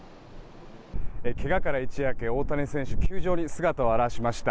けがから一夜明け大谷選手球場に姿を現しました。